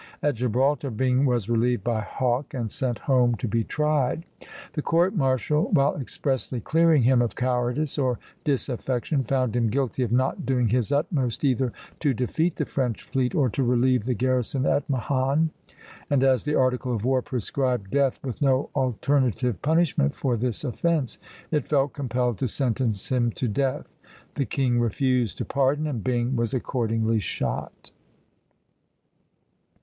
At Gibraltar, Byng was relieved by Hawke and sent home to be tried. The court martial, while expressly clearing him of cowardice or disaffection, found him guilty of not doing his utmost either to defeat the French fleet or to relieve the garrison at Mahon; and, as the article of war prescribed death with no alternative punishment for this offence, it felt compelled to sentence him to death. The king refused to pardon, and Byng was accordingly shot.